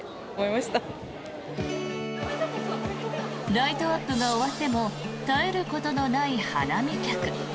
ライトアップが終わっても絶えることのない花見客。